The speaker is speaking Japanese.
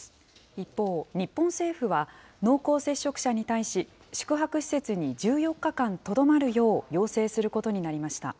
一方、日本政府は、濃厚接触者に対し、宿泊施設に１４日間とどまるよう要請することになりました。